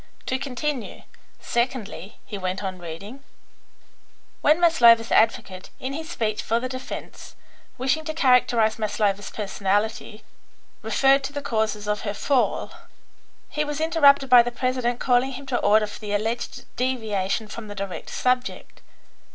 To continue: 'Secondly,' he went on reading, 'when Maslova's advocate, in his speech for the defence, wishing to characterise Maslova's personality, referred to the causes of her fall, he was interrupted by the president calling him to order for the alleged deviation from the direct subject.